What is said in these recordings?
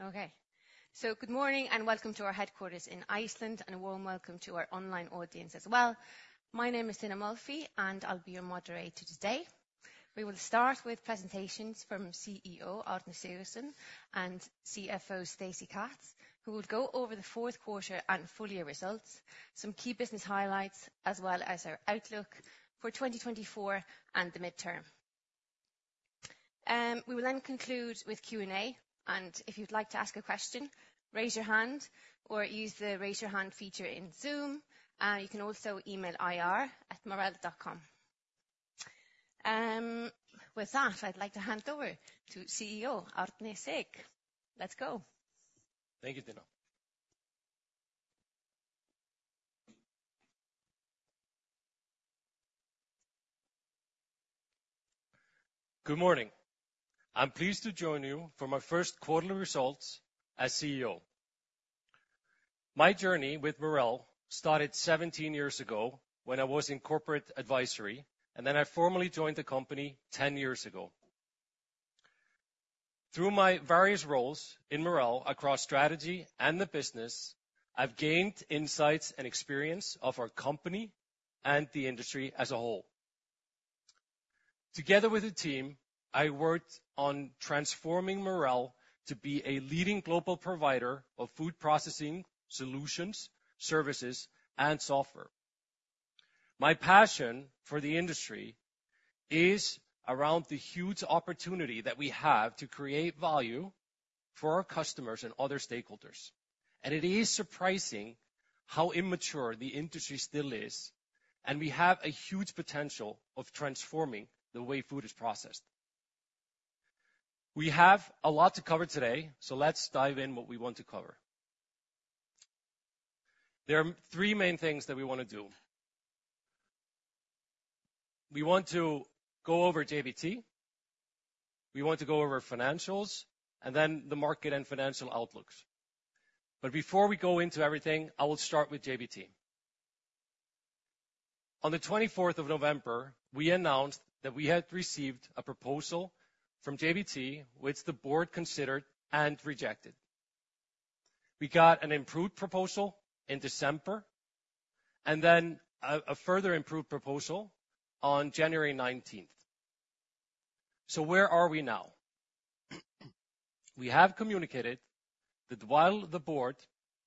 Okay. So good morning, and welcome to our headquarters in Iceland, and a warm welcome to our online audience as well. My name is Tinna Molphy, and I'll be your moderator today. We will start with presentations from CEO, Árni Sigurðsson, and CFO, Stacey Katz, who will go over the fourth quarter and full year results, some key business highlights, as well as our outlook for 2024 and the midterm. We will then conclude with Q&A, and if you'd like to ask a question, raise your hand or use the Raise Your Hand feature in Zoom. You can also email ir@marel.com. With that, I'd like to hand over to CEO Árni Sig. Let's go. Thank you, Tinna. Good morning. I'm pleased to join you for my first quarterly results as CEO. My journey with Marel started 17 years ago when I was in corporate advisory, and then I formally joined the company 10 years ago. Through my various roles in Marel across strategy and the business, I've gained insights and experience of our company and the industry as a whole. Together with the team, I worked on transforming Marel to be a leading global provider of food processing, solutions, services, and software. My passion for the industry is around the huge opportunity that we have to create value for our customers and other stakeholders, and it is surprising how immature the industry still is, and we have a huge potential of transforming the way food is processed. We have a lot to cover today, so let's dive in what we want to cover. There are three main things that we want to do. We want to go over JBT, we want to go over financials, and then the market and financial outlooks. But before we go into everything, I will start with JBT. On the twenty-fourth of November, we announced that we had received a proposal from JBT, which the board considered and rejected. We got an improved proposal in December, and then a further improved proposal on January nineteenth. So where are we now? We have communicated that while the board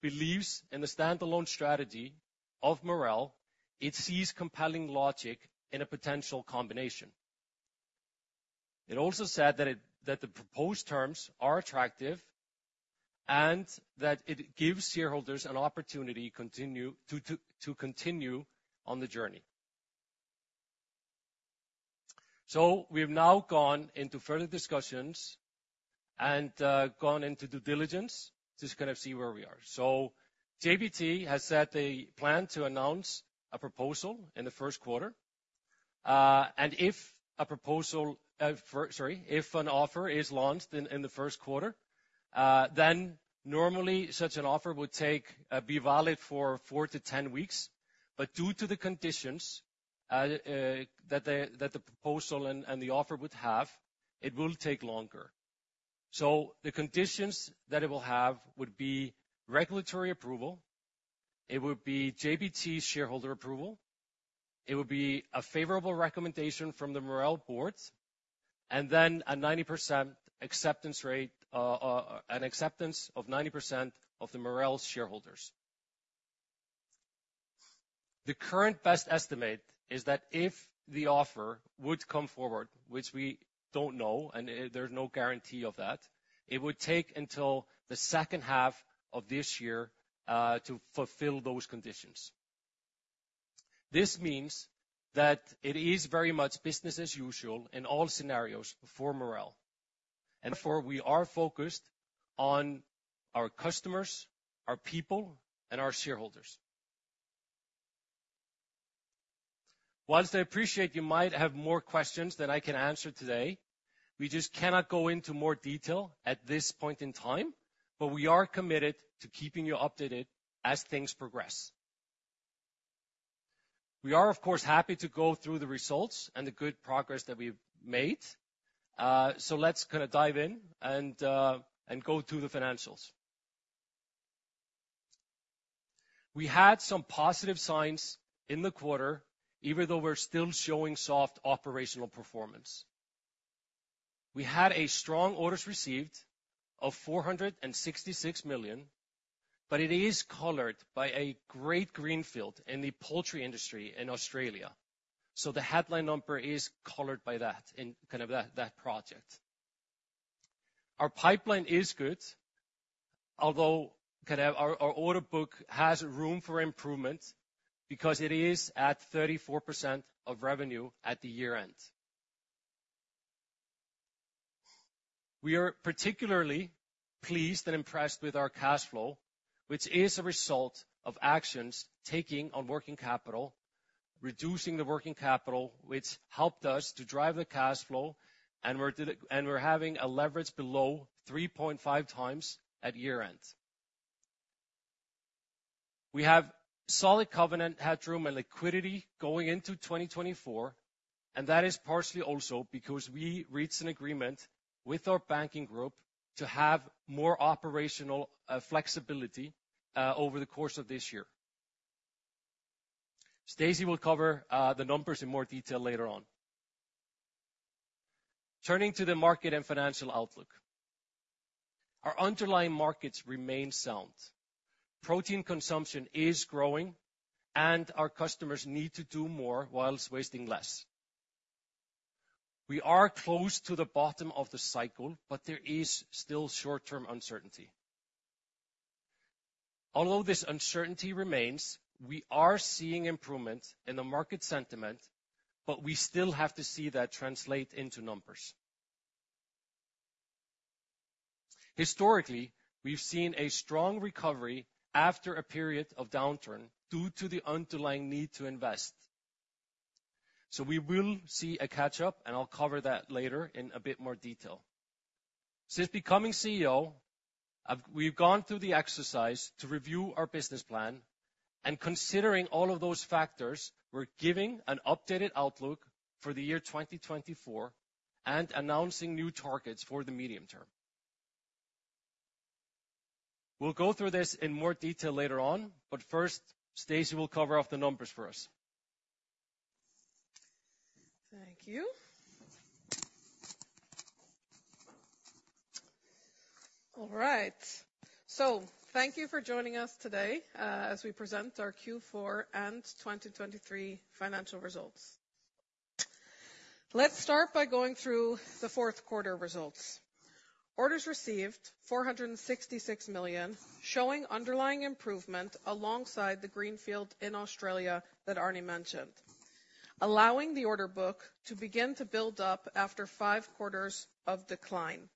believes in the standalone strategy of Marel, it sees compelling logic in a potential combination. It also said that the proposed terms are attractive and that it gives shareholders an opportunity to continue on the journey. We've now gone into further discussions and gone into due diligence to kind of see where we are. JBT has set a plan to announce a proposal in the first quarter. And if an offer is launched in the first quarter, then normally such an offer would be valid for 4-10 weeks, but due to the conditions that the proposal and the offer would have, it will take longer. The conditions that it will have would be regulatory approval, it would be JBT's shareholder approval, it would be a favorable recommendation from the Marel board, and then a 90% acceptance rate, an acceptance of 90% of Marel's shareholders. The current best estimate is that if the offer would come forward, which we don't know, and, there's no guarantee of that, it would take until the second half of this year, to fulfill those conditions. This means that it is very much business as usual in all scenarios for Marel, and as we are focused on our customers, our people, and our shareholders. While I appreciate you might have more questions than I can answer today, we just cannot go into more detail at this point in time, but we are committed to keeping you updated as things progress. We are, of course, happy to go through the results and the good progress that we've made. So let's kind of dive in and go through the financials. We had some positive signs in the quarter, even though we're still showing soft operational performance. We had a strong order received of 466 million, but it is colored by a great greenfield in the poultry industry in Australia. So the headline number is colored by that, in kind of that, that project. Our pipeline is good, although, kind of, our order book has room for improvement because it is at 34% of revenue at the year-end. We are particularly pleased and impressed with our cash flow, which is a result of actions taking on working capital, reducing the working capital, which helped us to drive the cash flow, and we're and we're having a leverage below 3.5x at year-end. We have solid covenant headroom and liquidity going into 2024, and that is partially also because we reached an agreement with our banking group to have more operational flexibility over the course of this year. Stacey will cover the numbers in more detail later on. Turning to the market and financial outlook, our underlying markets remain sound. Protein consumption is growing, and our customers need to do more whilst wasting less. We are close to the bottom of the cycle, but there is still short-term uncertainty. Although this uncertainty remains, we are seeing improvement in the market sentiment, but we still have to see that translate into numbers. Historically, we've seen a strong recovery after a period of downturn due to the underlying need to invest. So we will see a catch-up, and I'll cover that later in a bit more detail. Since becoming CEO, we've gone through the exercise to review our business plan, and considering all of those factors, we're giving an updated outlook for the year 2024 and announcing new targets for the medium term. We'll go through this in more detail later on, but first, Stacey will cover off the numbers for us. Thank you. All right. So thank you for joining us today, as we present our Q4 and 2023 financial results. Let's start by going through the fourth quarter results. Orders received, 466 million, showing underlying improvement alongside the greenfield in Australia that Árni mentioned, allowing the order book to begin to build up after five quarters of decline.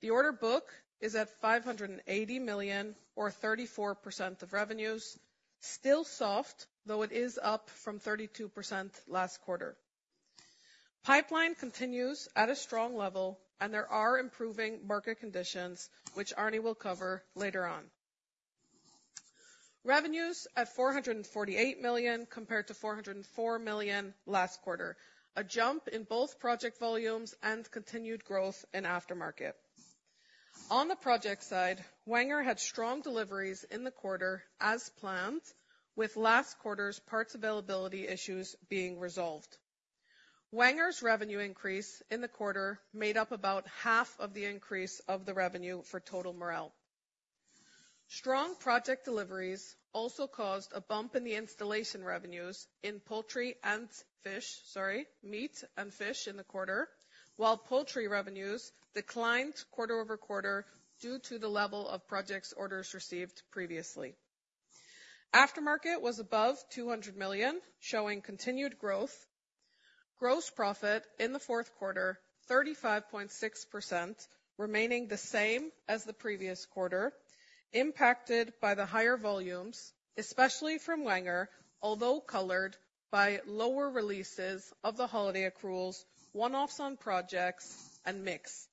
The order book is at 580 million, or 34% of revenues. Still soft, though it is up from 32% last quarter. Pipeline continues at a strong level, and there are improving market conditions, which Árni will cover later on. Revenues at 448 million, compared to 404 million last quarter, a jump in both project volumes and continued growth in aftermarket. On the project side, Wenger had strong deliveries in the quarter as planned, with last quarter's parts availability issues being resolved. Wenger's revenue increase in the quarter made up about half of the increase of the revenue for total Marel. Strong project deliveries also caused a bump in the installation revenues in poultry and fish, sorry, meat and fish in the quarter, while poultry revenues declined quarter-over-quarter due to the level of project orders received previously. Aftermarket was above 200 million, showing continued growth. Gross profit in the fourth quarter, 35.6%, remaining the same as the previous quarter, impacted by the higher volumes, especially from Wenger, although colored by lower releases of the holiday accruals, one-offs on projects, and mix.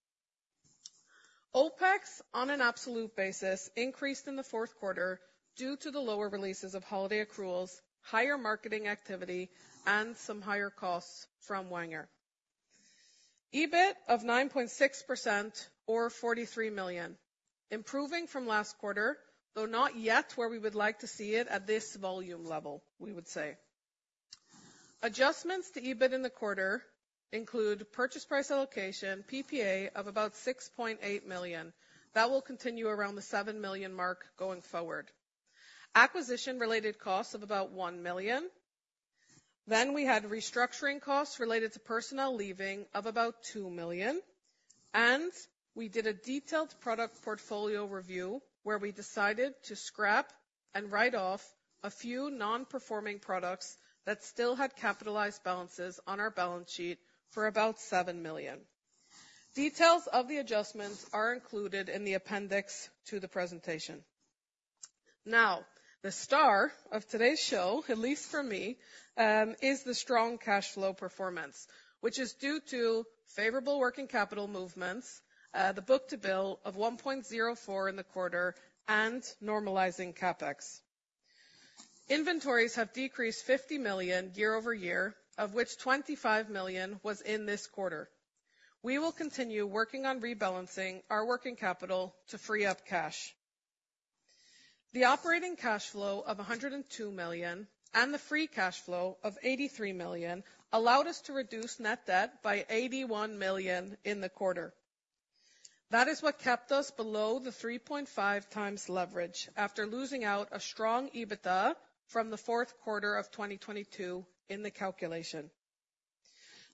OpEx, on an absolute basis, increased in the fourth quarter due to the lower releases of holiday accruals, higher marketing activity, and some higher costs from Wenger. EBIT of 9.6%, or 43 million, improving from last quarter, though not yet where we would like to see it at this volume level, we would say. Adjustments to EBIT in the quarter include purchase price allocation, PPA, of about 6.8 million. That will continue around the 7 million mark going forward. Acquisition-related costs of about 1 million. Then we had restructuring costs related to personnel leaving of about 2 million, and we did a detailed product portfolio review, where we decided to scrap and write off a few non-performing products that still had capitalized balances on our balance sheet for about 7 million. Details of the adjustments are included in the appendix to the presentation. Now, the star of today's show, at least for me, is the strong cash flow performance, which is due to favorable working capital movements, the book-to-bill of 1.04 in the quarter, and normalizing CapEx. Inventories have decreased 50 million year-over-year, of which 25 million was in this quarter. We will continue working on rebalancing our working capital to free up cash. The operating cash flow of 102 million and the free cash flow of 83 million allowed us to reduce net debt by 81 million in the quarter. That is what kept us below the 3.5x leverage after losing out a strong EBITDA from the fourth quarter of 2022 in the calculation.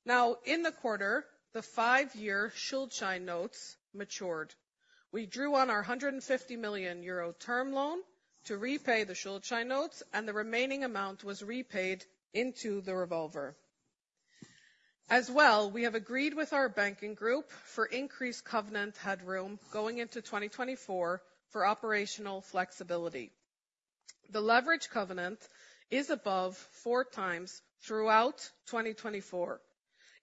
Now, in the quarter, the five-year Schuldschein notes matured. We drew on our 150 million euro term loan to repay the Schuldschein notes, and the remaining amount was repaid into the revolver. As well, we have agreed with our banking group for increased covenant headroom going into 2024 for operational flexibility. The leverage covenant is above 4x throughout 2024.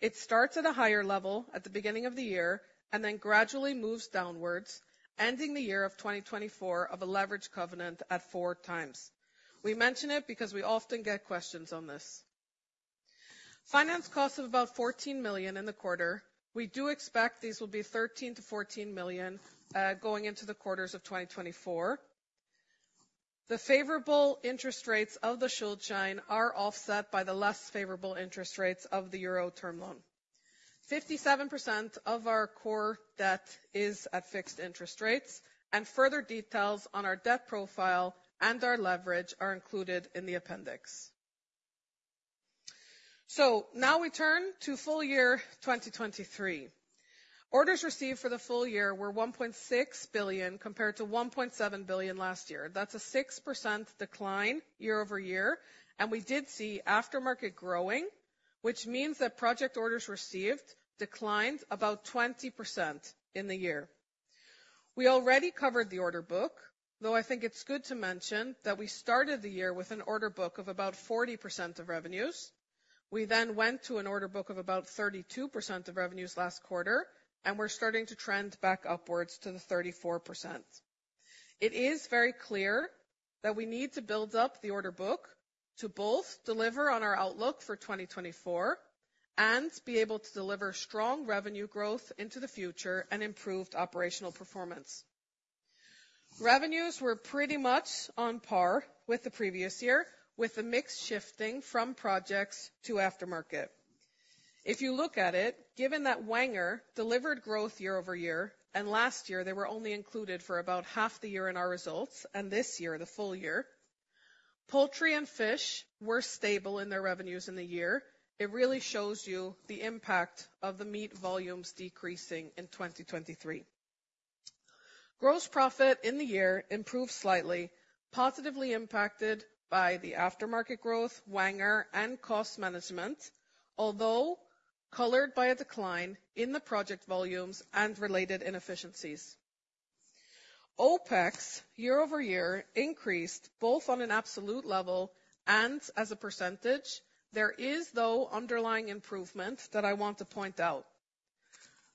It starts at a higher level at the beginning of the year and then gradually moves downwards, ending the year of 2024 of a leverage covenant at 4x. We mention it because we often get questions on this. Finance costs of about 14 million in the quarter. We do expect these will be 13-14 million going into the quarters of 2024. The favorable interest rates of the Schuldschein are offset by the less favorable interest rates of the EUR term loan. 57% of our core debt is at fixed interest rates, and further details on our debt profile and our leverage are included in the appendix. Now we turn to full year 2023. Orders received for the full year were 1.6 billion, compared to 1.7 billion last year. That's a 6% decline year-over-year, and we did see Aftermarket growing, which means that project orders received declined about 20% in the year. We already covered the Order book, though I think it's good to mention that we started the year with an Order book of about 40% of revenues. We then went to an Order book of about 32% of revenues last quarter, and we're starting to trend back upwards to the 34%. It is very clear that we need to build up the order book to both deliver on our outlook for 2024, and be able to deliver strong revenue growth into the future and improved operational performance. Revenues were pretty much on par with the previous year, with the mix shifting from projects to aftermarket. If you look at it, given that Wenger delivered growth year-over-year, and last year they were only included for about half the year in our results, and this year, the full year, poultry and fish were stable in their revenues in the year. It really shows you the impact of the meat volumes decreasing in 2023. Gross profit in the year improved slightly, positively impacted by the aftermarket growth, Wenger, and cost management, although colored by a decline in the project volumes and related inefficiencies. OpEx, year-over-year, increased both on an absolute level and as a percentage. There is, though, underlying improvement that I want to point out.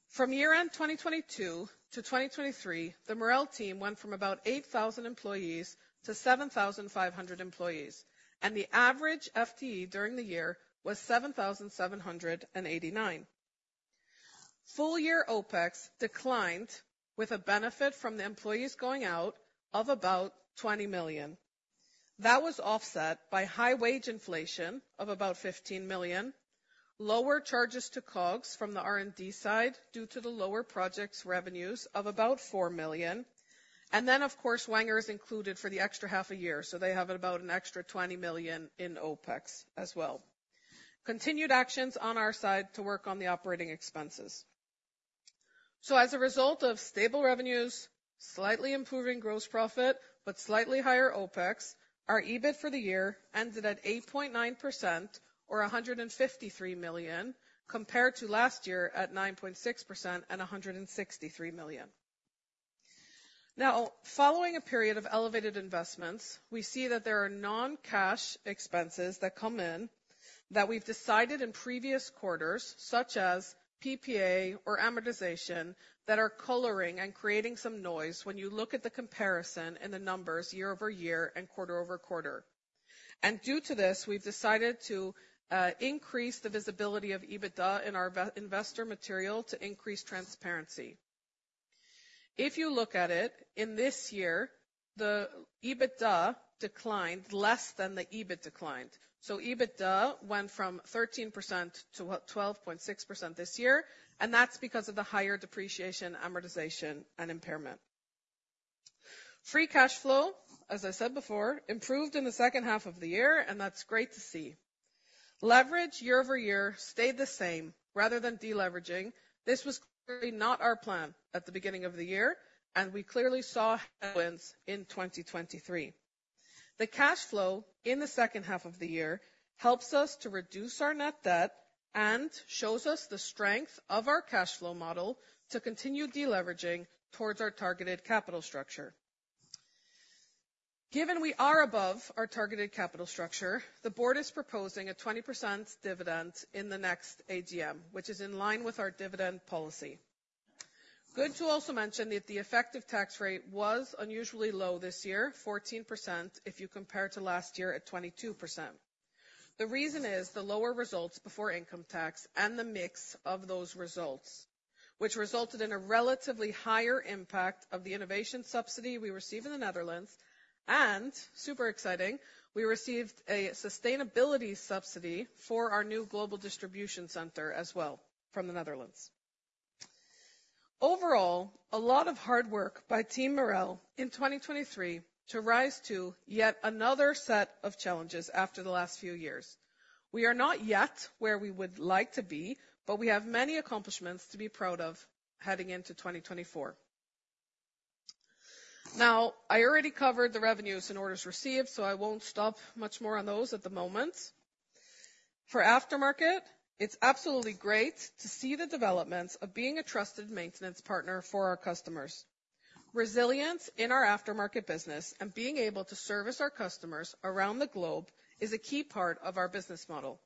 From year-end 2022 to 2023, the Marel team went from about 8,000 employees to 7,500 employees, and the average FTE during the year was 7,789. Full year OpEx declined, with a benefit from the employees going out of about 20 million. That was offset by high wage inflation of about 15 million, lower charges to COGS from the R&D side, due to the lower projects revenues of about 4 million, and then, of course, Wenger is included for the extra half a year, so they have about an extra 20 million in OpEx as well. Continued actions on our side to work on the operating expenses. So as a result of stable revenues, slightly improving gross profit, but slightly higher OpEx, our EBIT for the year ended at 8.9%, or 153 million, compared to last year at 9.6% and 163 million. Now, following a period of elevated investments, we see that there are non-cash expenses that come in, that we've decided in previous quarters, such as PPA or amortization, that are coloring and creating some noise when you look at the comparison in the numbers year-over-year and quarter-over-quarter. And due to this, we've decided to increase the visibility of EBITDA in our investor material to increase transparency. If you look at it, in this year, the EBITDA declined less than the EBIT declined. So EBITDA went from 13% to, what, 12.6% this year, and that's because of the higher depreciation, amortization, and impairment. Free cash flow, as I said before, improved in the second half of the year, and that's great to see. Leverage year-over-year stayed the same rather than deleveraging. This was clearly not our plan at the beginning of the year, and we clearly saw headwinds in 2023. The cash flow in the second half of the year helps us to reduce our net debt and shows us the strength of our cash flow model to continue deleveraging towards our targeted capital structure. Given we are above our targeted capital structure, the board is proposing a 20% dividend in the next AGM, which is in line with our dividend policy. Good to also mention that the effective tax rate was unusually low this year, 14%, if you compare to last year at 22%. The reason is the lower results before income tax and the mix of those results, which resulted in a relatively higher impact of the innovation subsidy we received in the Netherlands, and, super exciting, we received a sustainability subsidy for our new global distribution center as well from the Netherlands. Overall, a lot of hard work by Team Marel in 2023 to rise to yet another set of challenges after the last few years. We are not yet where we would like to be, but we have many accomplishments to be proud of heading into 2024. Now, I already covered the revenues and orders received, so I won't stop much more on those at the moment. For aftermarket, it's absolutely great to see the developments of being a trusted maintenance partner for our customers. Resilience in our aftermarket business and being able to service our customers around the globe is a key part of our business model.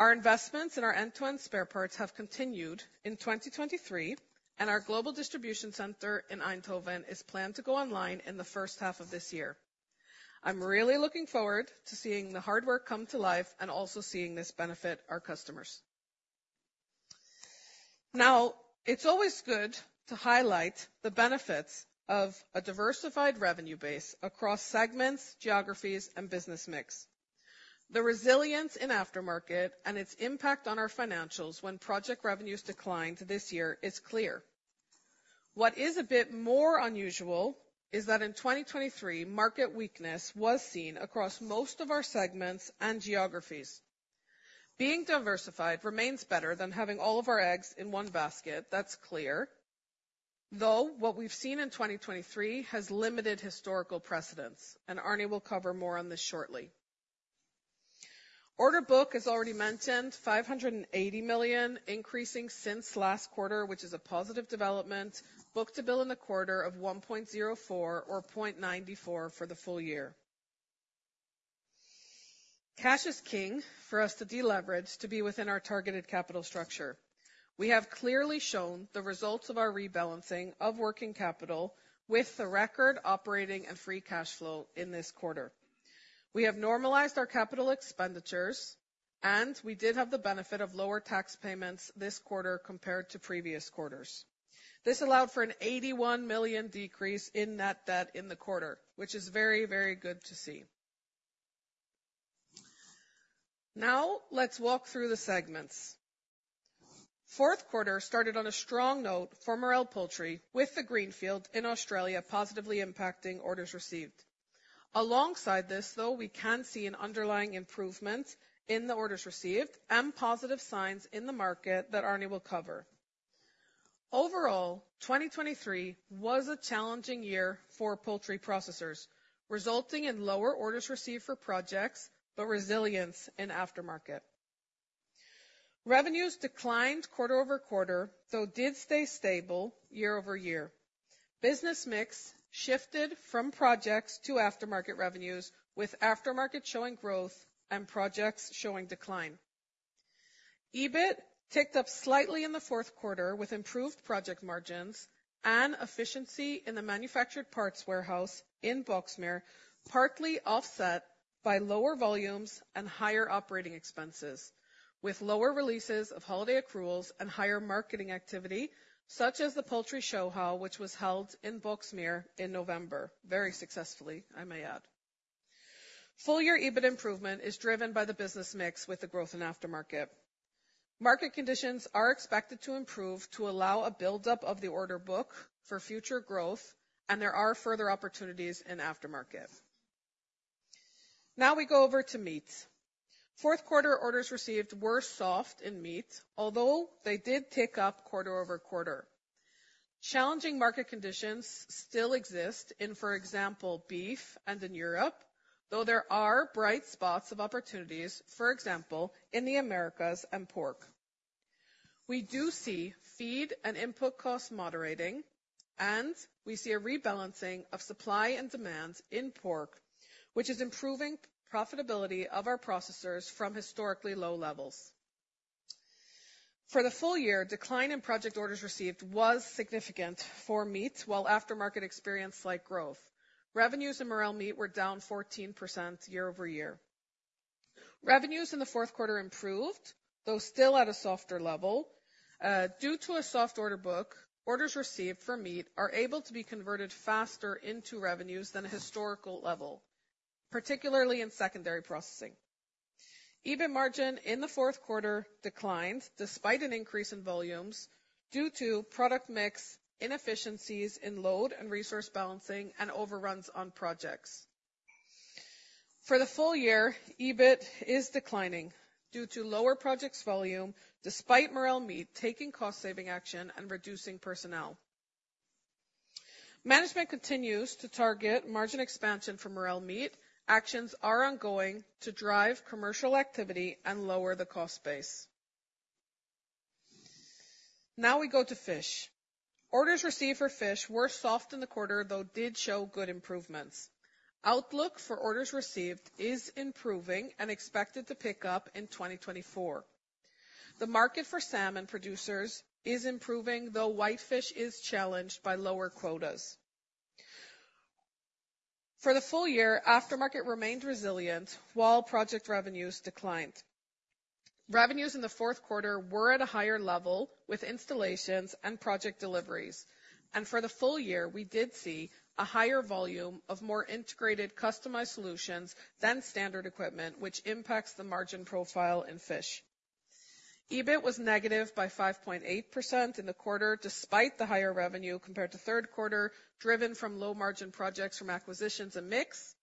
Our investments in our end-to-end spare parts have continued in 2023, and our global distribution center in Eindhoven is planned to go online in the first half of this year.... I'm really looking forward to seeing the hard work come to life and also seeing this benefit our customers. Now, it's always good to highlight the benefits of a diversified revenue base across segments, geographies, and business mix. The resilience in aftermarket and its impact on our financials when project revenues declined this year is clear. What is a bit more unusual is that in 2023, market weakness was seen across most of our segments and geographies. Being diversified remains better than having all of our eggs in one basket, that's clear. Though, what we've seen in 2023 has limited historical precedents, and Árni will cover more on this shortly. Order book, as already mentioned, 580 million, increasing since last quarter, which is a positive development. Book-to-bill in the quarter of 1.04 or 0.94 for the full year. Cash is king for us to deleverage to be within our targeted capital structure. We have clearly shown the results of our rebalancing of working capital with the record operating and free cash flow in this quarter. We have normalized our capital expenditures, and we did have the benefit of lower tax payments this quarter compared to previous quarters. This allowed for an 81 million decrease in net debt in the quarter, which is very, very good to see. Now, let's walk through the segments. Fourth quarter started on a strong note for Marel Poultry, with the greenfield in Australia positively impacting orders received. Alongside this, though, we can see an underlying improvement in the orders received and positive signs in the market that Árni will cover. Overall, 2023 was a challenging year for poultry processors, resulting in lower orders received for projects, but resilience in aftermarket. Revenues declined quarter-over-quarter, though did stay stable year-over-year. Business mix shifted from projects to aftermarket revenues, with aftermarket showing growth and projects showing decline. EBIT ticked up slightly in the fourth quarter, with improved project margins and efficiency in the manufactured parts warehouse in Boxmeer, partly offset by lower volumes and higher operating expenses, with lower releases of holiday accruals and higher marketing activity, such as the Poultry ShowHow, which was held in Boxmeer in November, very successfully, I may add. Full-year EBIT improvement is driven by the business mix with the growth in Aftermarket. Market conditions are expected to improve to allow a buildup of the order book for future growth, and there are further opportunities in Aftermarket. Now we go over to meat. Fourth quarter orders received were soft in meat, although they did tick up quarter-over-quarter. Challenging market conditions still exist in, for example, beef and in Europe, though there are bright spots of opportunities, for example, in the Americas and pork. We do see feed and input costs moderating, and we see a rebalancing of supply and demand in pork, which is improving profitability of our processors from historically low levels. For the full year, decline in project orders received was significant for meat, while aftermarket experienced slight growth. Revenues in Marel Meat were down 14% year-over-year. Revenues in the fourth quarter improved, though still at a softer level. Due to a soft order book, orders received for meat are able to be converted faster into revenues than a historical level, particularly in secondary processing. EBIT margin in the fourth quarter declined despite an increase in volumes due to product mix, inefficiencies in load and resource balancing, and overruns on projects. For the full year, EBIT is declining due to lower projects volume, despite Marel Meat taking cost-saving action and reducing personnel. Management continues to target margin expansion for Marel Meat. Actions are ongoing to drive commercial activity and lower the cost base. Now we go to fish. Orders received for fish were soft in the quarter, though did show good improvements. Outlook for orders received is improving and expected to pick up in 2024. The market for salmon producers is improving, though whitefish is challenged by lower quotas. For the full year, aftermarket remained resilient, while project revenues declined. Revenues in the fourth quarter were at a higher level, with installations and project deliveries. For the full year, we did see a higher volume of more integrated, customized solutions than standard equipment, which impacts the margin profile in fish. EBIT was negative by 5.8% in the quarter, despite the higher revenue compared to third quarter, driven from low-margin projects from acquisitions and mix.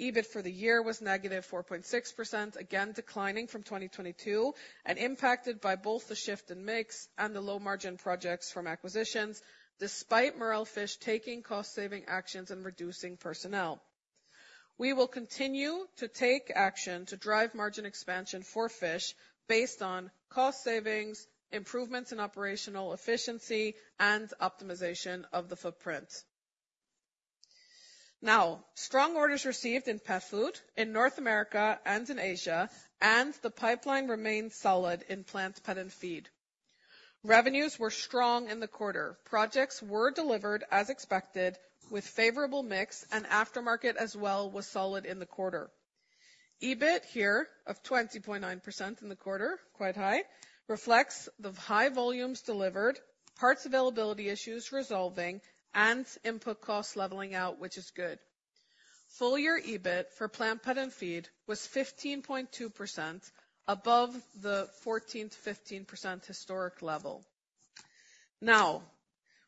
EBIT for the year was -4.6%, again, declining from 2022, and impacted by both the shift in mix and the low-margin projects from acquisitions, despite Marel Fish taking cost-saving actions and reducing personnel. We will continue to take action to drive margin expansion for fish based on cost savings, improvements in operational efficiency, and optimization of the footprint. Now, strong orders received in pet food in North America and in Asia, and the pipeline remains solid in plants, pet, and feed.... Revenues were strong in the quarter. Projects were delivered as expected, with favorable mix, and aftermarket as well was solid in the quarter. EBIT here of 20.9% in the quarter, quite high, reflects the high volumes delivered, parts availability issues resolving, and input cost leveling out, which is good. Full year EBIT for Plant, Pet and Feed was 15.2%, above the 14%-15% historic level. Now,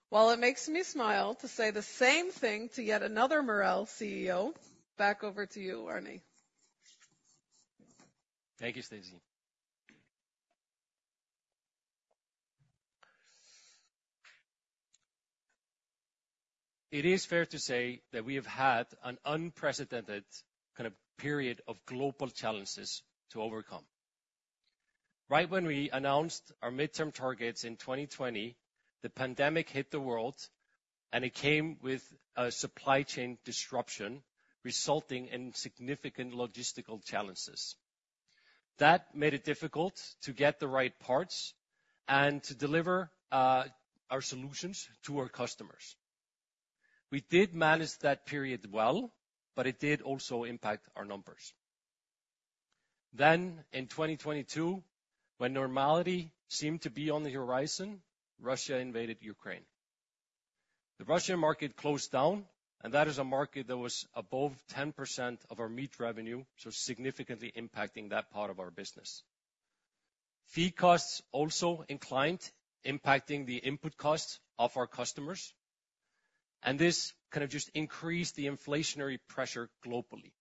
while it makes me smile to say the same thing to yet another Marel CEO, back over to you, Árni. Thank you, Stacey. It is fair to say that we have had an unprecedented kind of period of global challenges to overcome. Right when we announced our midterm targets in 2020, the pandemic hit the world, and it came with a supply chain disruption, resulting in significant logistical challenges. That made it difficult to get the right parts and to deliver our solutions to our customers. We did manage that period well, but it did also impact our numbers. Then in 2022, when normality seemed to be on the horizon, Russia invaded Ukraine. The Russian market closed down, and that is a market that was above 10% of our meat revenue, so significantly impacting that part of our business. Feed costs also inclined, impacting the input costs of our customers, and this kind of just increased the inflationary pressure globally.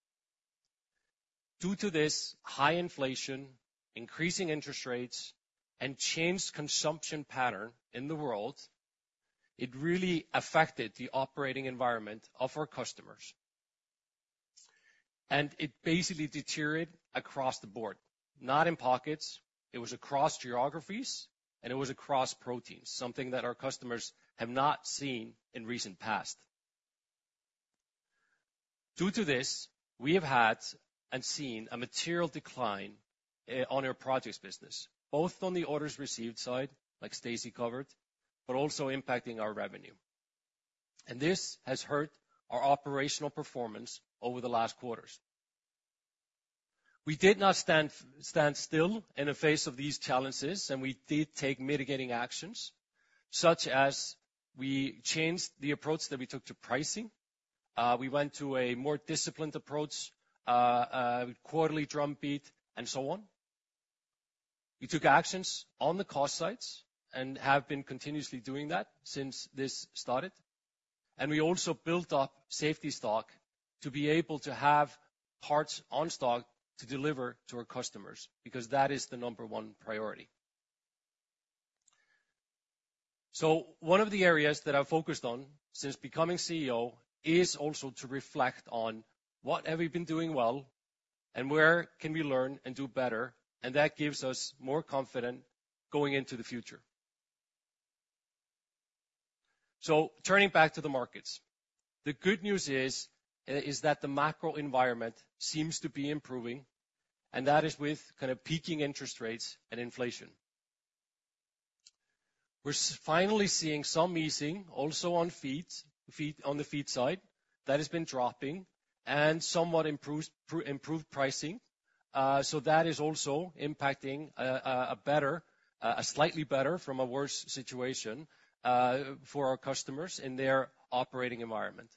Due to this high inflation, increasing interest rates and changed consumption pattern in the world, it really affected the operating environment of our customers. And it basically deteriorated across the board, not in pockets. It was across geographies, and it was across proteins, something that our customers have not seen in recent past. Due to this, we have had and seen a material decline on our projects business, both on the orders received side, like Stacy covered, but also impacting our revenue. And this has hurt our operational performance over the last quarters. We did not stand still in the face of these challenges, and we did take mitigating actions, such as we changed the approach that we took to pricing. We went to a more disciplined approach, quarterly drumbeat, and so on. We took actions on the cost sides and have been continuously doing that since this started, and we also built up safety stock to be able to have parts on stock to deliver to our customers, because that is the number one priority. So one of the areas that I've focused on since becoming CEO is also to reflect on what have we been doing well, and where can we learn and do better, and that gives us more confidence going into the future. So turning back to the markets, the good news is that the macro environment seems to be improving, and that is with kind of peaking interest rates and inflation. We're finally seeing some easing also on feeds, on the feed side, that has been dropping, and somewhat improved pricing. So that is also impacting a slightly better from a worse situation for our customers in their operating environment.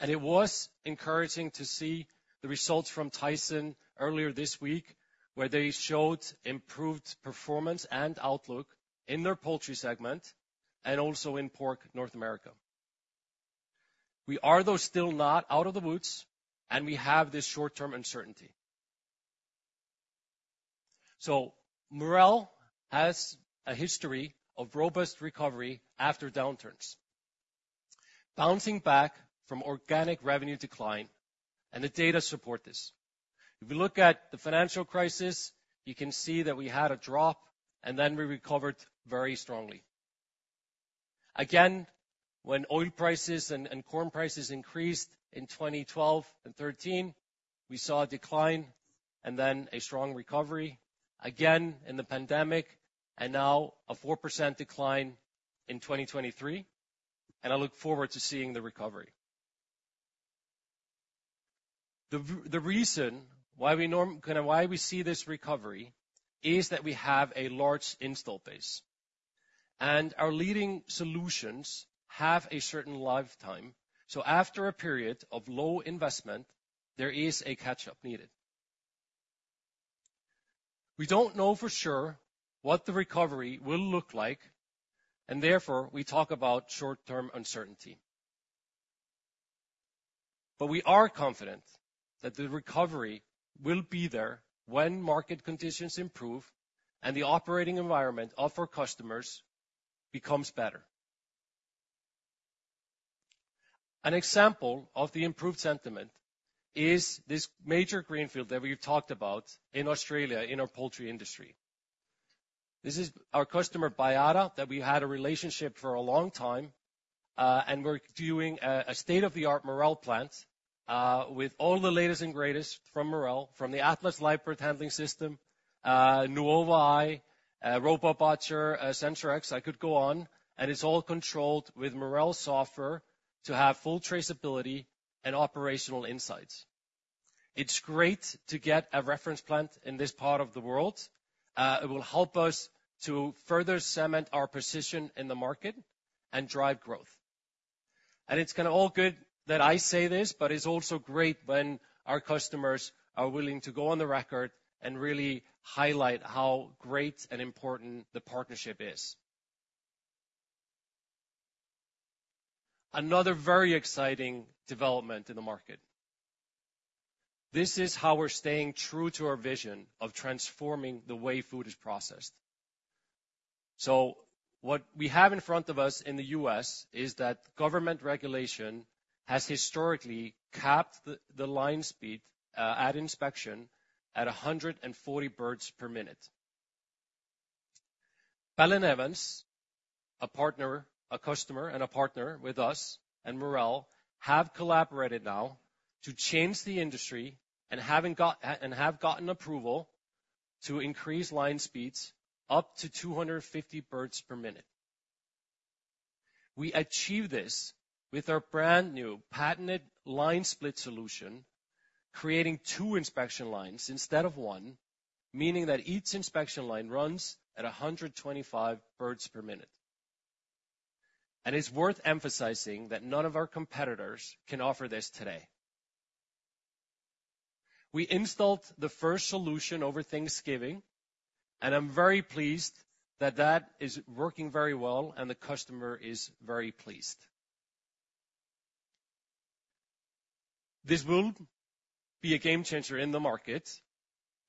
It was encouraging to see the results from Tyson earlier this week, where they showed improved performance and outlook in their poultry segment and also in pork, North America. We are, though, still not out of the woods, and we have this short-term uncertainty. So Marel has a history of robust recovery after downturns, bouncing back from organic revenue decline, and the data support this. If you look at the financial crisis, you can see that we had a drop, and then we recovered very strongly. Again, when oil prices and corn prices increased in 2012 and 2013, we saw a decline and then a strong recovery, again in the pandemic, and now a 4% decline in 2023, and I look forward to seeing the recovery. The reason why we kind of see this recovery is that we have a large install base, and our leading solutions have a certain lifetime. So after a period of low investment, there is a catch-up needed. We don't know for sure what the recovery will look like, and therefore, we talk about short-term uncertainty. But we are confident that the recovery will be there when market conditions improve and the operating environment of our customers becomes better. An example of the improved sentiment is this major greenfield that we've talked about in Australia, in our poultry industry. This is our customer, Baiada, that we had a relationship for a long time, and we're doing a state-of-the-art Marel plant with all the latest and greatest from Marel, from the Atlas live bird handling system, Nuova-i, RoboBatcher, SensorX. I could go on, and it's all controlled with Marel software to have full traceability and operational insights. It's great to get a reference plant in this part of the world. It will help us to further cement our position in the market and drive growth. And it's kinda all good that I say this, but it's also great when our customers are willing to go on the record and really highlight how great and important the partnership is. Another very exciting development in the market: this is how we're staying true to our vision of transforming the way food is processed. So what we have in front of us in the U.S., is that government regulation has historically capped the line speed at inspection at 140 birds per minute. Bell and Evans, a partner, a customer, and a partner with us and Marel, have collaborated now to change the industry, and have gotten approval to increase line speeds up to 250 birds per minute. We achieve this with our brand-new patented line split solution, creating two inspection lines instead of one, meaning that each inspection line runs at 125 birds per minute. And it's worth emphasizing that none of our competitors can offer this today. We installed the first solution over Thanksgiving, and I'm very pleased that that is working very well, and the customer is very pleased. This will be a game changer in the market,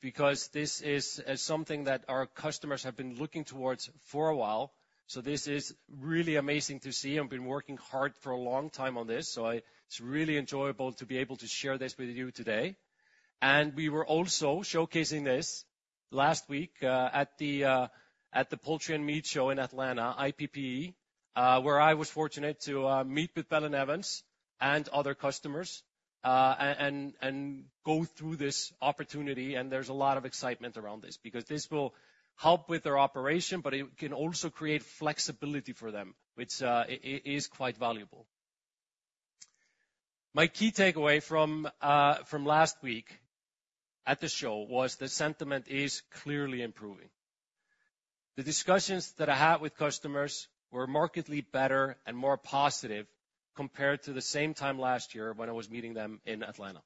because this is something that our customers have been looking towards for a while, so this is really amazing to see. I've been working hard for a long time on this, so I... It's really enjoyable to be able to share this with you today. We were also showcasing this last week at the Poultry and Meat Show in Atlanta, IPPE, where I was fortunate to meet with Bell & Evans and other customers and go through this opportunity, and there's a lot of excitement around this. Because this will help with their operation, but it can also create flexibility for them, which is quite valuable. My key takeaway from last week at the show was the sentiment is clearly improving. The discussions that I had with customers were markedly better and more positive compared to the same time last year when I was meeting them in Atlanta.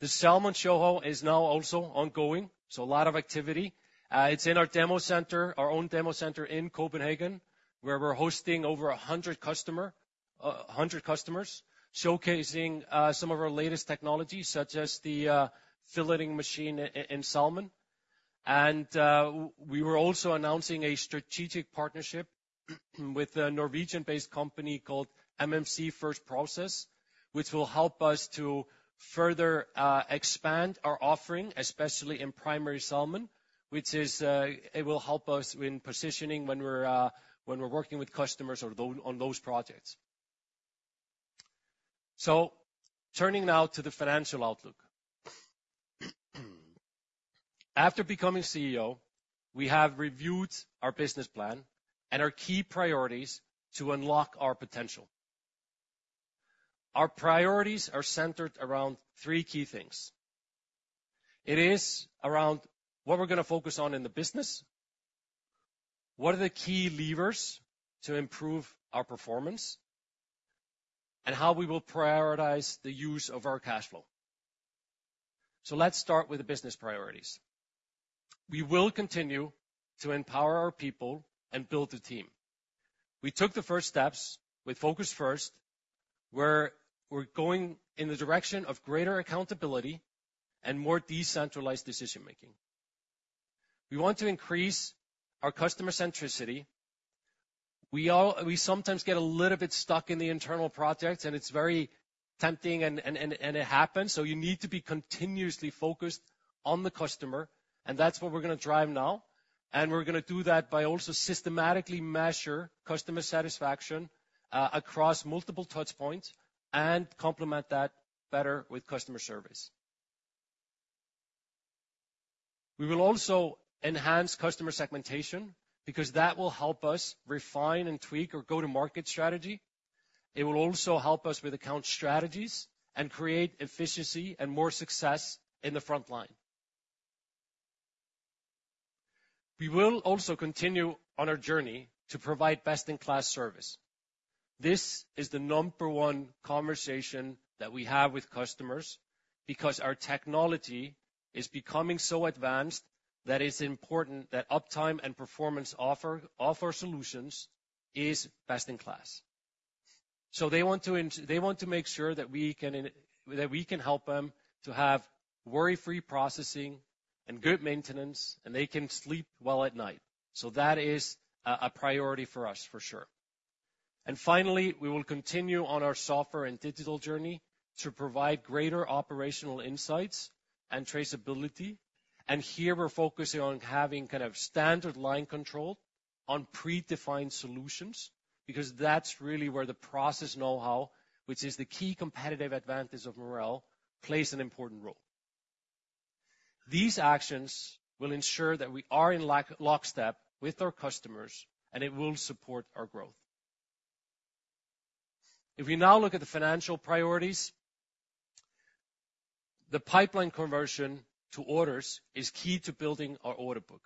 The Salmon Show is now also ongoing, so a lot of activity. It's in our demo center, our own demo center in Copenhagen, where we're hosting over 100 customers, showcasing some of our latest technologies, such as the filleting machine in salmon. We were also announcing a strategic partnership with a Norwegian-based company called MMC First Process, which will help us to further expand our offering, especially in primary salmon. It will help us in positioning when we're working with customers on those projects. So turning now to the financial outlook. After becoming CEO, we have reviewed our business plan and our key priorities to unlock our potential. Our priorities are centered around three key things. It is around what we're gonna focus on in the business, what are the key levers to improve our performance, and how we will prioritize the use of our cash flow. Let's start with the business priorities. We will continue to empower our people and build the team. We took the first steps with Focus First, where we're going in the direction of greater accountability and more decentralized decision-making. We want to increase our customer centricity. We sometimes get a little bit stuck in the internal projects, and it's very tempting and it happens, so you need to be continuously focused on the customer, and that's what we're gonna drive now. We're gonna do that by also systematically measure customer satisfaction across multiple touchpoints and complement that better with customer service. We will also enhance customer segmentation, because that will help us refine and tweak our go-to-market strategy. It will also help us with account strategies and create efficiency and more success in the front line. We will also continue on our journey to provide best-in-class service. This is the number one conversation that we have with customers, because our technology is becoming so advanced that it's important that uptime and performance offer of our solutions is best in class. So they want to make sure that we can help them to have worry-free processing and good maintenance, and they can sleep well at night. So that is a priority for us, for sure. Finally, we will continue on our software and digital journey to provide greater operational insights and traceability. Here we're focusing on having kind of standard line control on predefined solutions, because that's really where the process know-how, which is the key competitive advantage of Marel, plays an important role. These actions will ensure that we are in lockstep with our customers, and it will support our growth. If we now look at the financial priorities, the pipeline conversion to orders is key to building our order book.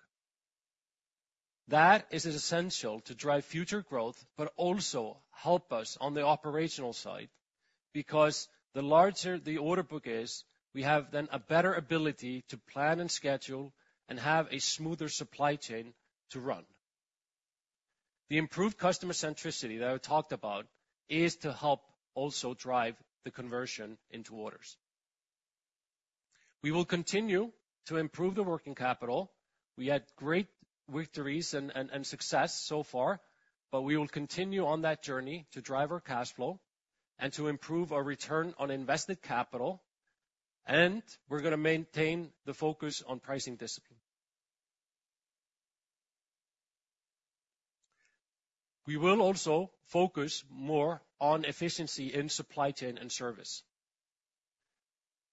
That is essential to drive future growth, but also help us on the operational side, because the larger the order book is, we have then a better ability to plan and schedule and have a smoother supply chain to run. The improved customer centricity that I talked about is to help also drive the conversion into orders. We will continue to improve the working capital. We had great victories and success so far, but we will continue on that journey to drive our cash flow and to improve our return on invested capital, and we're gonna maintain the focus on pricing discipline. We will also focus more on efficiency in supply chain and service.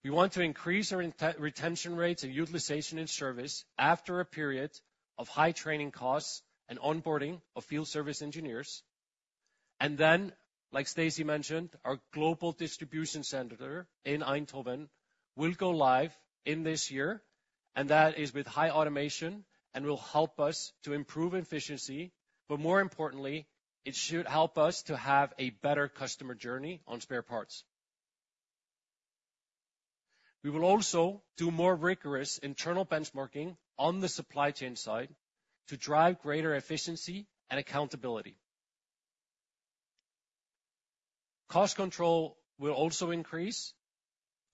We want to increase our retention rates and utilization and service after a period of high training costs and onboarding of field service engineers. And then, like Stacey mentioned, our global distribution center in Eindhoven will go live in this year, and that is with high automation and will help us to improve efficiency. But more importantly, it should help us to have a better customer journey on spare parts. We will also do more rigorous internal benchmarking on the supply chain side to drive greater efficiency and accountability. Cost control will also increase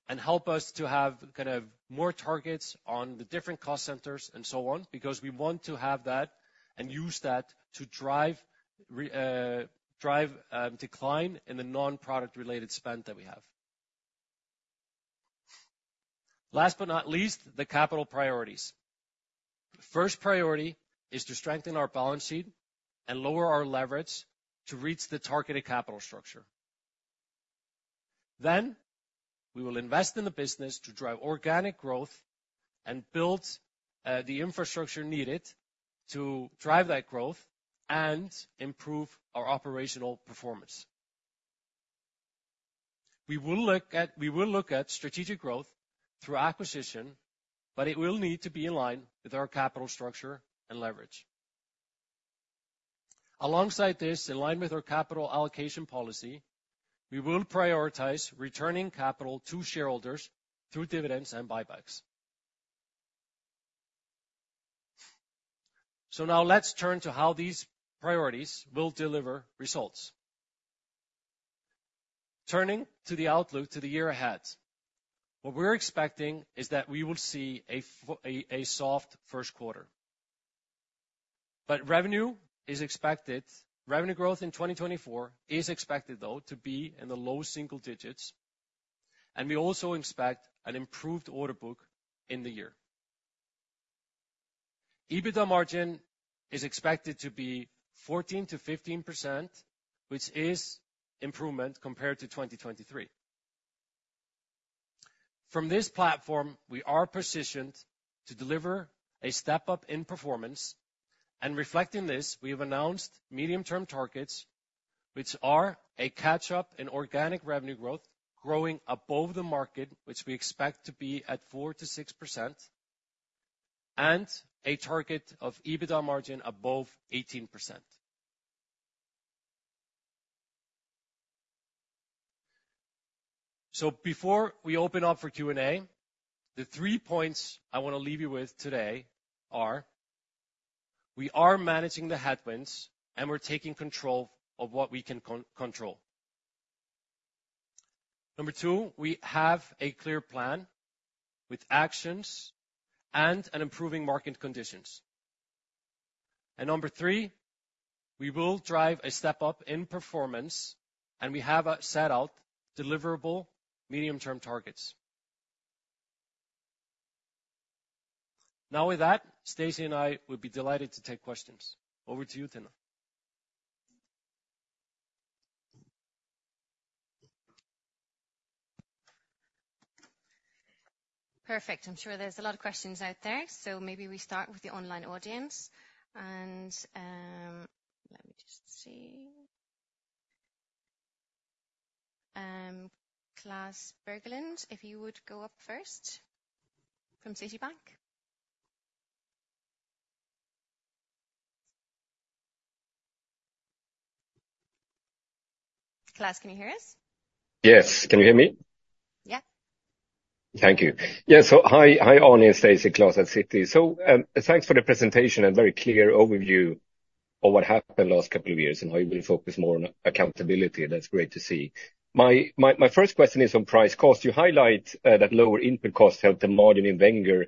and help us to have kind of more targets on the different cost centers and so on, because we want to have that and use that to drive decline in the non-product-related spend that we have. Last but not least, the capital priorities. The first priority is to strengthen our balance sheet and lower our leverage to reach the targeted capital structure. Then, we will invest in the business to drive organic growth and build the infrastructure needed to drive that growth and improve our operational performance. We will look at strategic growth through acquisition, but it will need to be in line with our capital structure and leverage. Alongside this, in line with our capital allocation policy, we will prioritize returning capital to shareholders through dividends and buybacks. So now let's turn to how these priorities will deliver results. Turning to the outlook to the year ahead, what we're expecting is that we will see a soft first quarter. But revenue is expected—revenue growth in 2024 is expected, though, to be in the low single digits, and we also expect an improved order book in the year. EBITDA margin is expected to be 14%-15%, which is improvement compared to 2023. From this platform, we are positioned to deliver a step-up in performance, and reflecting this, we have announced medium-term targets, which are a catch-up in organic revenue growth, growing above the market, which we expect to be at 4%-6%, and a target of EBITDA margin above 18%. So before we open up for Q&A, the three points I want to leave you with today are: we are managing the headwinds, and we're taking control of what we can control. Number two, we have a clear plan with actions and an improving market conditions. And number three, we will drive a step-up in performance, and we have set out deliverable medium-term targets. Now, with that, Stacey and I would be delighted to take questions. Over to you, Tinna. Perfect. I'm sure there's a lot of questions out there, so maybe we start with the online audience. And, let me just see. Klas Bergelind, if you would go up first, from Citibank. Klas, can you hear us? Yes. Can you hear me? Yeah. Thank you. Yes, so hi, Árni and Stacey, Klas at Citi. So, thanks for the presentation and very clear overview of what happened the last couple of years and how you will focus more on accountability. That's great to see. My first question is on price cost. You highlight that lower input costs help the margin in Wenger.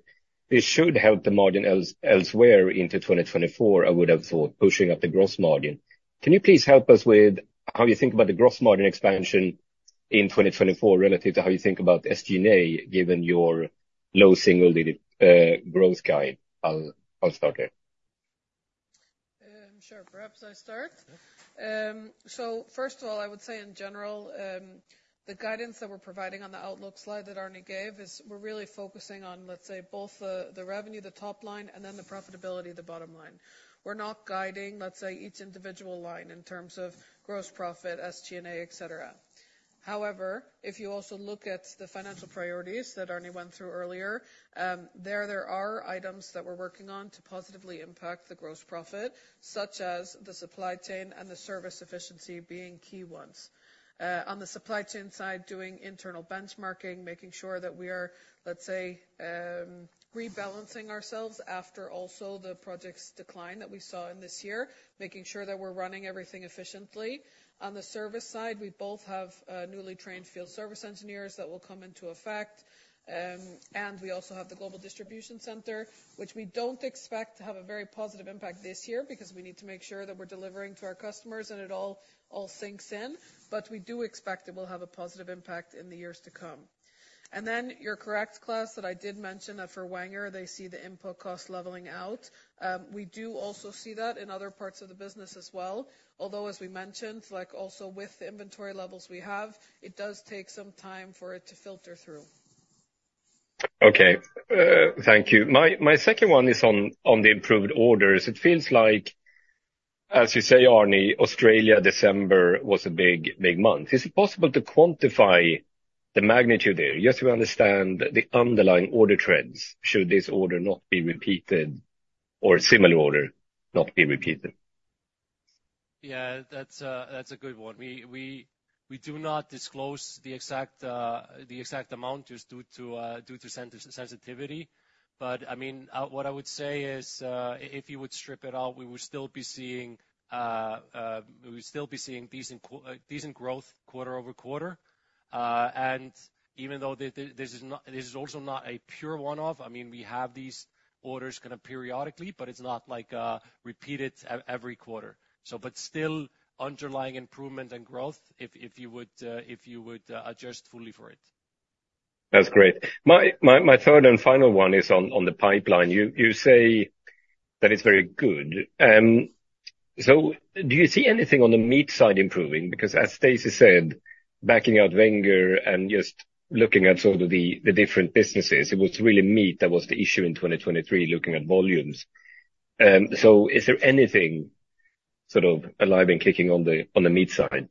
It should help the margin elsewhere into 2024, I would have thought, pushing up the gross margin. Can you please help us with how you think about the gross margin expansion in 2024 relative to how you think about SG&A, given your low single-digit growth guide? I'll start there. Sure. Perhaps I start? Yeah. So first of all, I would say in general, the guidance that we're providing on the outlook slide that Árni gave is we're really focusing on, let's say, both the, the revenue, the top line, and then the profitability, the bottom line. We're not guiding, let's say, each individual line in terms of gross profit, SG&A, et cetera. However, if you also look at the financial priorities that Árni went through earlier, there, there are items that we're working on to positively impact the gross profit, such as the supply chain and the service efficiency being key ones. On the supply chain side, doing internal benchmarking, making sure that we are, let's say, rebalancing ourselves after also the projects decline that we saw in this year, making sure that we're running everything efficiently. On the service side, we both have newly trained field service engineers that will come into effect. We also have the global distribution center, which we don't expect to have a very positive impact this year, because we need to make sure that we're delivering to our customers and it all sinks in. But we do expect it will have a positive impact in the years to come. And then you're correct, Klas, that I did mention that for Wenger, they see the input cost leveling out. We do also see that in other parts of the business as well. Although, as we mentioned, like also with the inventory levels we have, it does take some time for it to filter through. Okay. Thank you. My second one is on the improved orders. It feels like, as you say, Árni, Australia, December was a big, big month. Is it possible to quantify the magnitude there, just to understand the underlying order trends, should this order not be repeated or a similar order not be repeated? Yeah, that's a good one. We do not disclose the exact amount, just due to sensitivity. But, I mean, what I would say is, if you would strip it out, we would still be seeing decent growth quarter-over-quarter. And even though this is not a pure one-off, I mean, we have these orders kind of periodically, but it's not like repeated every quarter. So but still, underlying improvement and growth, if you would adjust fully for it. That's great. My third and final one is on the pipeline. You say that it's very good. So do you see anything on the meat side improving? Because as Stacey said, backing out Wenger and just looking at sort of the different businesses, it was really meat that was the issue in 2023, looking at volumes. So is there anything sort of alive and kicking on the meat side?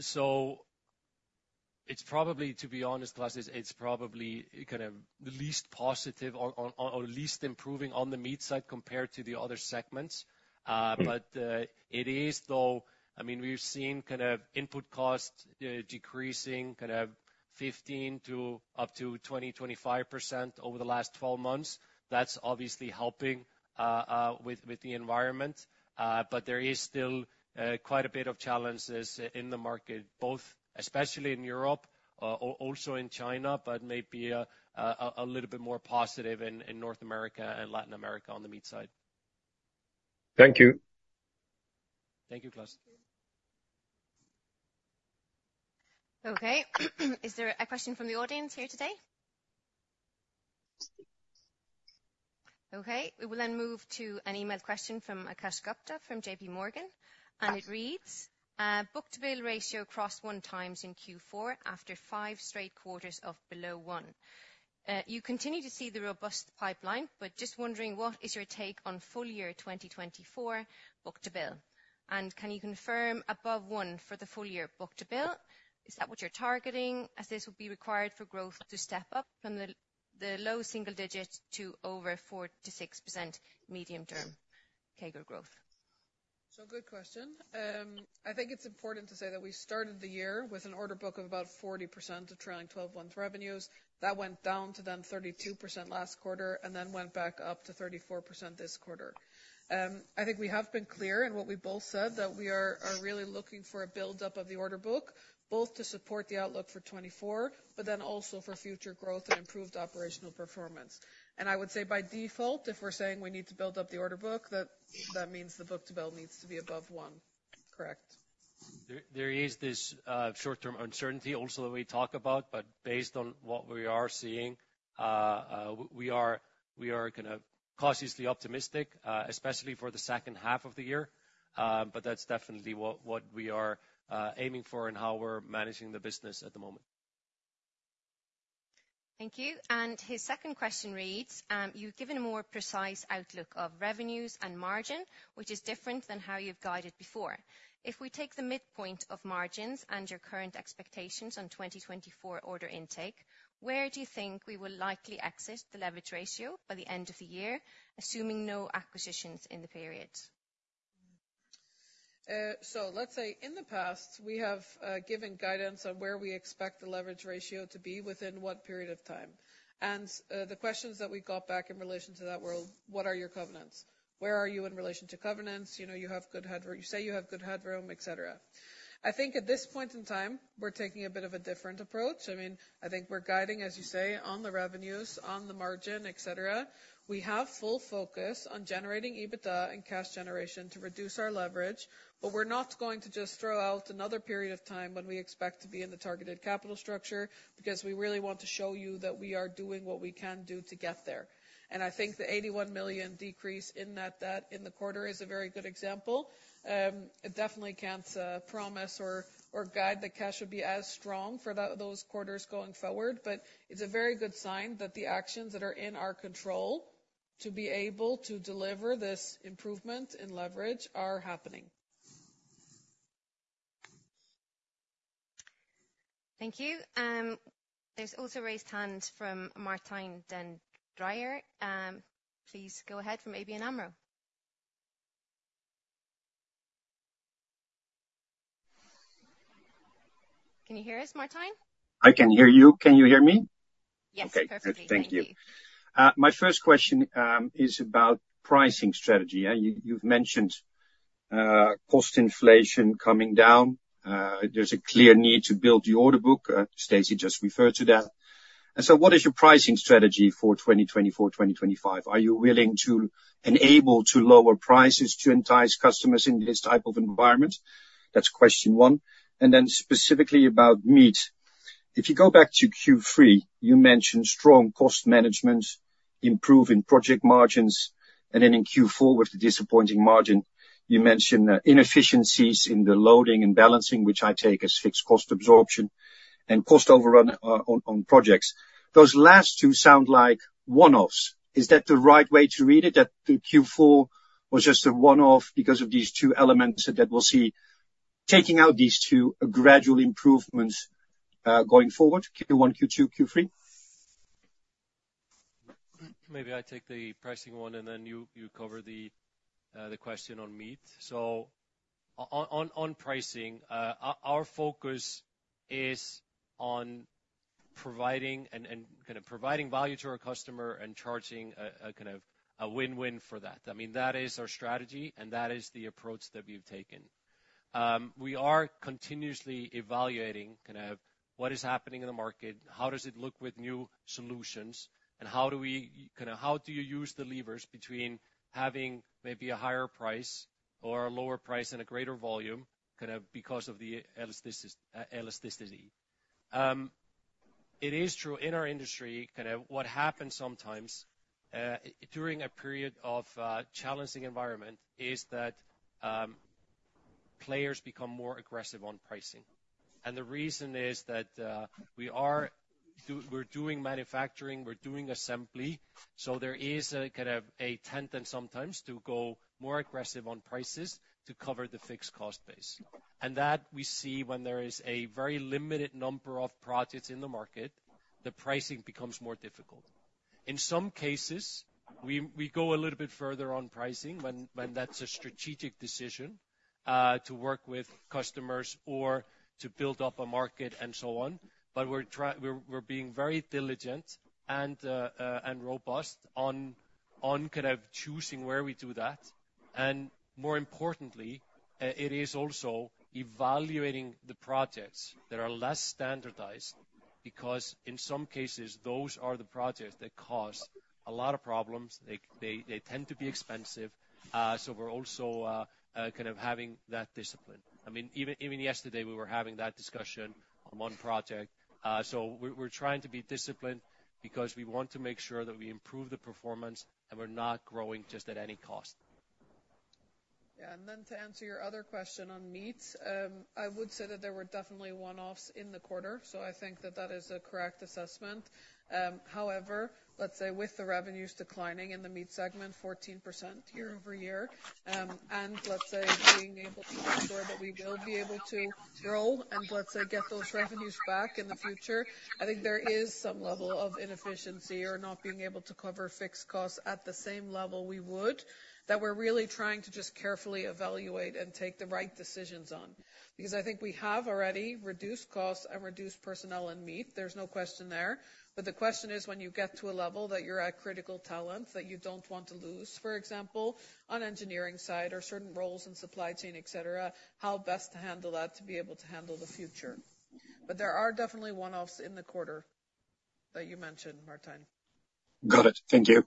So it's probably, to be honest, Klas, it's probably kind of the least positive or least improving on the meat side compared to the other segments. Mm. But, it is, though, I mean, we've seen kind of input costs decreasing kind of 15% to up to 20, 25% over the last 12 months. That's obviously helping with the environment. But there is still quite a bit of challenges in the market, both especially in Europe, also in China, but maybe a little bit more positive in North America and Latin America on the meat side. Thank you. Thank you, Klas. Thank you. Okay. Is there a question from the audience here today? Okay, we will then move to an emailed question from Akash Gupta, from JP Morgan. It reads: "Book-to-bill ratio crossed 1x in Q4, after 5 straight quarters of below 1. You continue to see the robust pipeline, but just wondering, what is your take on full year 2024 book-to-bill? And can you confirm above 1 for the full year book-to-bill? Is that what you're targeting, as this would be required for growth to step up from the low single digits to over 4%-6% medium-term CAGR growth? So good question. I think it's important to say that we started the year with an order book of about 40% of trailing twelve-month revenues. That went down to then 32% last quarter, and then went back up to 34% this quarter. I think we have been clear in what we both said, that we are really looking for a build-up of the order book, both to support the outlook for 2024, but then also for future growth and improved operational performance. And I would say by default, if we're saying we need to build up the order book, that means the book-to-bill needs to be above 1. Correct. There is this short-term uncertainty also that we talk about, but based on what we are seeing, we are kind of cautiously optimistic, especially for the second half of the year. But that's definitely what we are aiming for and how we're managing the business at the moment. Thank you. And his second question reads: "You've given a more precise outlook of revenues and margin, which is different than how you've guided before. If we take the midpoint of margins and your current expectations on 2024 order intake, where do you think we will likely exit the leverage ratio by the end of the year, assuming no acquisitions in the period? So let's say in the past, we have given guidance on where we expect the leverage ratio to be within what period of time. And the questions that we got back in relation to that were: What are your covenants? Where are you in relation to covenants? You know, you have good headroom, et cetera. I think at this point in time we're taking a bit of a different approach. I mean, I think we're guiding, as you say, on the revenues, on the margin, et cetera. We have full focus on generating EBITDA and cash generation to reduce our leverage, but we're not going to just throw out another period of time when we expect to be in the targeted capital structure, because we really want to show you that we are doing what we can do to get there. I think the 81 million decrease in that debt in the quarter is a very good example. I definitely can't promise or, or guide the cash will be as strong for those quarters going forward, but it's a very good sign that the actions that are in our control to be able to deliver this improvement in leverage are happening. Thank you. There's also a raised hand from Martijn den Drijver. Please go ahead, from ABN AMRO. Can you hear us, Martijn? I can hear you. Can you hear me? Yes, perfectly. Okay, good. Thank you. My first question is about pricing strategy. You've mentioned post-inflation coming down. There's a clear need to build the order book. Stacey just referred to that. And so what is your pricing strategy for 2024, 2025? Are you willing to, and able to, lower prices to entice customers in this type of environment? That's question one. And then specifically about meat. If you go back to Q3, you mentioned strong cost management, improving project margins, and then in Q4, with the disappointing margin, you mentioned inefficiencies in the loading and balancing, which I take as fixed cost absorption and cost overrun on projects. Those last two sound like one-offs. Is that the right way to read it, that the Q4 was just a one-off because of these two elements, that we'll see, taking out these two, a gradual improvements, going forward, Q1, Q2, Q3? Maybe I take the pricing one, and then you cover the question on meat. So on pricing, our focus is on providing and kind of providing value to our customer and charging a kind of a win-win for that. I mean, that is our strategy, and that is the approach that we've taken. We are continuously evaluating kind of what is happening in the market, how does it look with new solutions, and how do you use the levers between having maybe a higher price or a lower price and a greater volume, kind of, because of the elasticity? It is true in our industry, kind of, what happens sometimes during a period of challenging environment is that players become more aggressive on pricing. And the reason is that we're doing manufacturing, we're doing assembly, so there is kind of a tendency sometimes to go more aggressive on prices to cover the fixed cost base. That we see when there is a very limited number of projects in the market, the pricing becomes more difficult. In some cases, we go a little bit further on pricing when that's a strategic decision to work with customers or to build up a market and so on. But we're being very diligent and robust on kind of choosing where we do that. More importantly, it is also evaluating the projects that are less standardized, because in some cases those are the projects that cause a lot of problems. They tend to be expensive. We're also kind of having that discipline. I mean, even yesterday, we were having that discussion on one project. We're trying to be disciplined because we want to make sure that we improve the performance, and we're not growing just at any cost. Yeah, and then to answer your other question on meat, I would say that there were definitely one-offs in the quarter, so I think that that is a correct assessment. However, let's say with the revenues declining in the meat segment, 14% year-over-year, and let's say being able to ensure that we will be able to grow and, let's say, get those revenues back in the future, I think there is some level of inefficiency or not being able to cover fixed costs at the same level we would, that we're really trying to just carefully evaluate and take the right decisions on. Because I think we have already reduced costs and reduced personnel in meat. There's no question there. But the question is, when you get to a level that you're at critical talent, that you don't want to lose, for example, on engineering side or certain roles in supply chain, et cetera, et cetera, how best to handle that, to be able to handle the future. But there are definitely one-offs in the quarter that you mentioned, Martijn. Got it. Thank you. Thank you.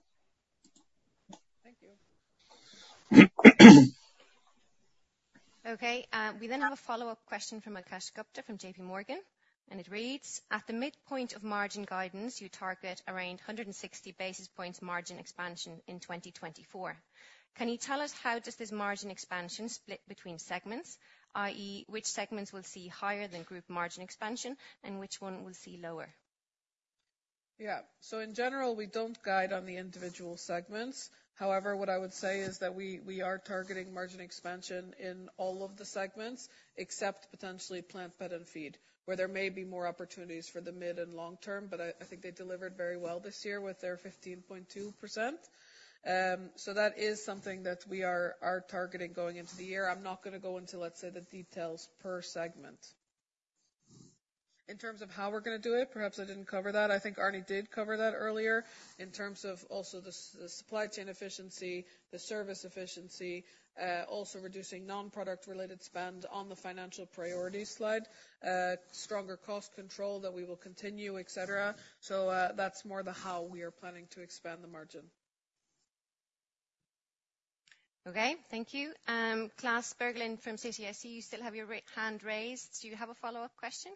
Okay, we then have a follow-up question from Akash Gupta from JP Morgan, and it reads: At the midpoint of margin guidance, you target around 160 basis points margin expansion in 2024. Can you tell us, how does this margin expansion split between segments, i.e., which segments will see higher than group margin expansion and which one will see lower? Yeah. So in general, we don't guide on the individual segments. However, what I would say is that we are targeting margin expansion in all of the segments, except potentially Plant, Pet, and Feed, where there may be more opportunities for the mid and long term, but I think they delivered very well this year with their 15.2%. So that is something that we are targeting going into the year. I'm not gonna go into, let's say, the details per segment. In terms of how we're gonna do it, perhaps I didn't cover that. I think Árni did cover that earlier. In terms of also the supply chain efficiency, the service efficiency, also reducing non-product related spend on the financial priority slide. Stronger cost control that we will continue, et cetera. That's more the how we are planning to expand the margin. Okay, thank you. Klas Bergelind from Citi, you still have your hand raised. Do you have a follow-up question?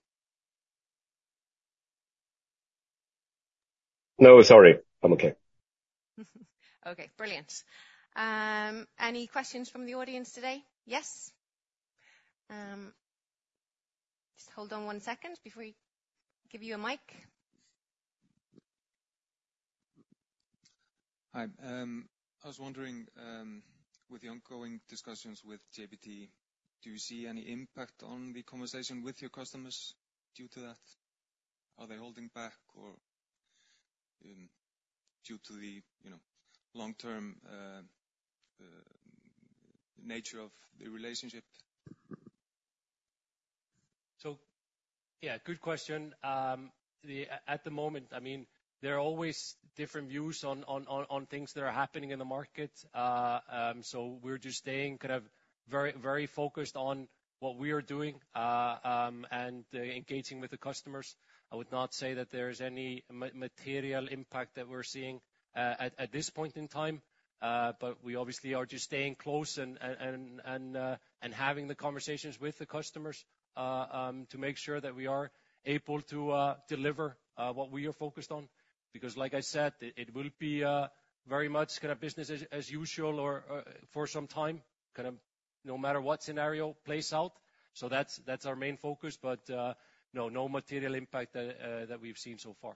No, sorry. I'm okay. Okay, brilliant. Any questions from the audience today? Yes. Just hold on one second before we give you a mic. Hi. I was wondering, with the ongoing discussions with JBT, do you see any impact on the conversation with your customers due to that? Are they holding back, or, due to the, you know, long-term nature of the relationship? So yeah, good question. At the moment, I mean, there are always different views on things that are happening in the market. So we're just staying kind of very, very focused on what we are doing and engaging with the customers. I would not say that there is any material impact that we're seeing at this point in time. But we obviously are just staying close and having the conversations with the customers to make sure that we are able to deliver what we are focused on. Because like I said, it will be very much kind of business as usual or for some time, kind of no matter what scenario plays out. That's, that's our main focus, but no, no material impact that we've seen so far.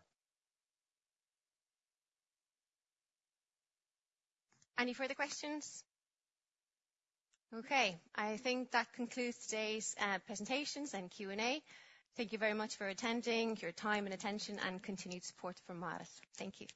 Any further questions? Okay, I think that concludes today's presentations and Q&A. Thank you very much for attending, your time and attention, and continued support for Marel. Thank you.